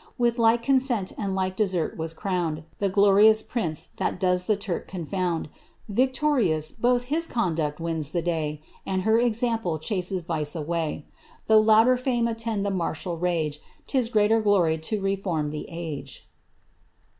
With like consent and like desert was crowned, The glorious prince that docs the Turk confound ; Victorious— both his conduct wins Uie day,* And her example chases Yice away, — Though louder fame attend the martial rage, 'Tis greater glory to reform the age.'